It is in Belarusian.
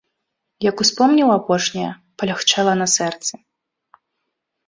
Як успомніў апошняе, палягчэла на сэрцы.